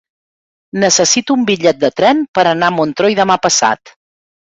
Necessito un bitllet de tren per anar a Montroi demà passat.